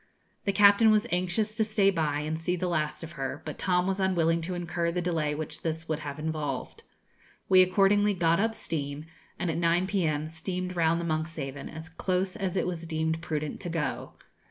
The captain was anxious to stay by and see the last of her, but Tom was unwilling to incur the delay which this would have involved. We accordingly got up steam, and at nine p.m. steamed round the 'Monkshaven,' as close as it was deemed prudent to go.